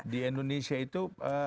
di indonesia itu